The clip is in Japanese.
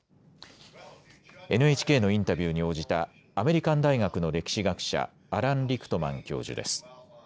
ＮＨＫのインタビューに応じたアメリカン大学の歴史学者アラン・リクトマン教授です。